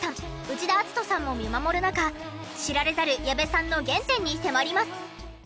内田篤人さんも見守る中知られざる矢部さんの原点に迫ります。